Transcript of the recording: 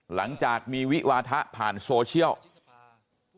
หลังจากมีวิวาทะผ่านโซเชียล